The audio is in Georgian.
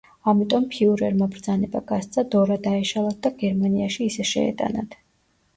ამიტომ ფიურერმა ბრძანება გასცა დორა დაეშალათ და გერმანიაში ისე შეეტანათ.